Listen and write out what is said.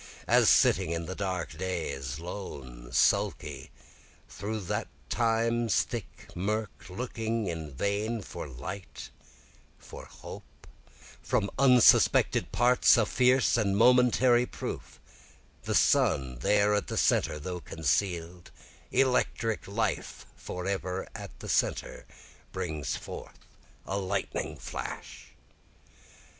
As sitting in dark days, Lone, sulky, through the time's thick murk looking in vain for light, for hope, From unsuspected parts a fierce and momentary proof, (The sun there at the centre though conceal'd, Electric life forever at the centre,) Breaks forth a lightning flash.